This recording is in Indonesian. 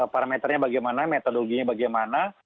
parameternya bagaimana metodologinya bagaimana